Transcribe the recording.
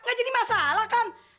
gak jadi masalah kan